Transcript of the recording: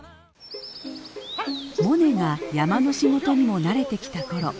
モネが山の仕事にも慣れてきた頃。